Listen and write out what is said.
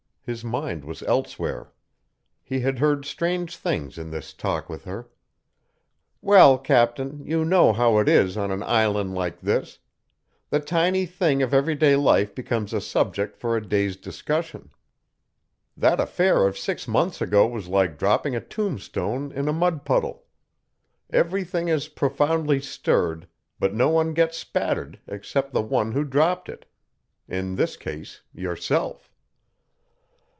His mind was elsewhere. He had heard strange things in this talk with her. "Well, captain, you know how it is on an island like this. The tiny thing of everyday life becomes a subject for a day's discussion. That affair of six months ago was like dropping a tombstone in a mud puddle everything is profoundly stirred, but no one gets spattered except the one who dropped it. In this case yourself."